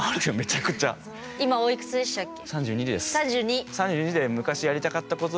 今おいくつでしたっけ？